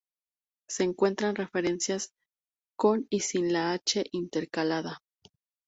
Se encuentran referencias con y sin la hache intercalada.